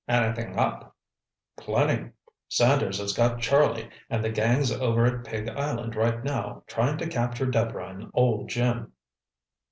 "Anything up?" "Plenty. Sanders has got Charlie, and the gang's over at Pig Island right now, trying to capture Deborah and old Jim."